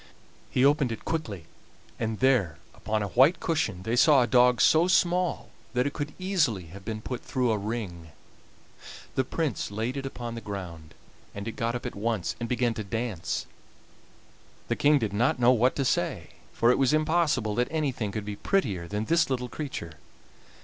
He opened it quickly, and there upon a white cushion they saw a dog so small that it could easily have been put through a ring. The Prince laid it upon the ground, and it got up at once and began to dance. The King did not know what to say, for it was impossible that anything could be prettier than this little creature.